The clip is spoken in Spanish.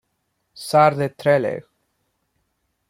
Zar de Trelew.